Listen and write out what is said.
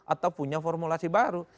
atau punya formulasi baru